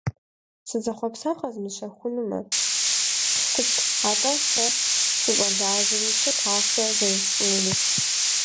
Сызэхъуапсэр къэзмыщэхунумэ, сыт, атӏэ, сэ сыщӏэлажьэри, сыт ахъшэ зэрысщӏынури?